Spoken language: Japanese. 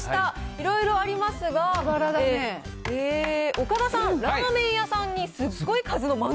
いろいろありますが、岡田さん、ラーメン屋さんにすっごい数の漫画。